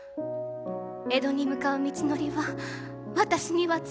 江戸に向かう道のりは私にはつらすぎるわ。